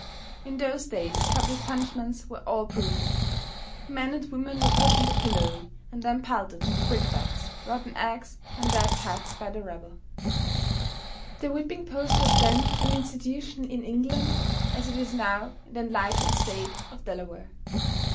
In those days public punishments were all brutal. Men and women were put in the pillory and then pelted with brick bats, rotten eggs and dead cats, by the rabble. The whipping post was then an institution in England as it is now in the enlightened State of Delaware.